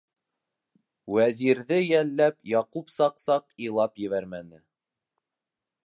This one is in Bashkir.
Вәзирҙе йәлләп, Яҡуп саҡ-саҡ илап ебәрмәне.